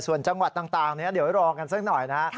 ส่วนจังหวัดต่างเดี๋ยวรอกันสักหน่อยนะ